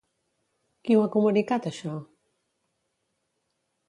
Qui ho ha comunicat, això?